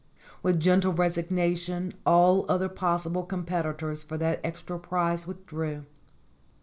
With gentle resignation all other possible competitors for that extra prize withdrew.